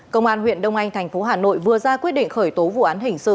công an huyện đông anh tp hà nội vừa ra quyết định khởi tố vụ án hình sự